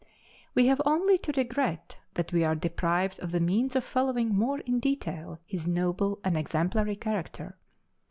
We have only to regret that we are deprived of the means of following more in detail his noble and exemplary character.